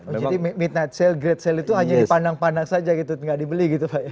jadi midnight sale great sale itu hanya dipandang pandang saja gitu tidak dibeli gitu pak